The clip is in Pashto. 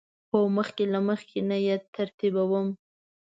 هو، مخکې له مخکی نه یی ترتیبوم